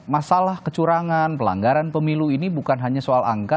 masalah kecurangan pelanggaran pemilu ini bukan hanya soal angka